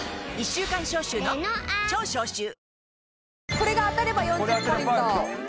これが当たれば４０ポイント。